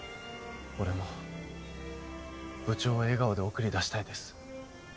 俺も部長を笑顔で送り出したいです。